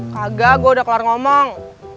kagak gue udah keluar ngomong